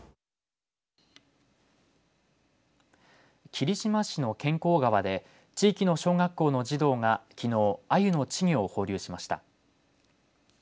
霧島市の検校川で地域の小学校の児童が、きのうあゆの稚魚を放流しました。